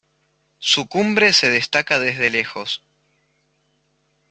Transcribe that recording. Su cumbre se destaca desde lejos.